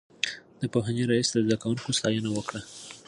د پوهنې رئيس د زده کوونکو ستاينه وکړه.